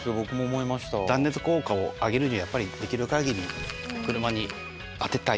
断熱効果を上げるにはやっぱりできる限り車にあてたい。